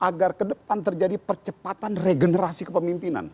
agar ke depan terjadi percepatan regenerasi kepemimpinan